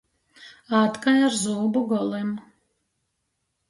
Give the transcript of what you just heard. Ād kai ar zūbu golim.